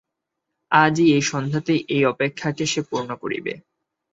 আজই এই সন্ধ্যাতেই এই অপেক্ষাকে সে পূর্ণ করিবে।